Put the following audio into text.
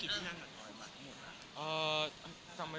แขกรับเชิญหน่อย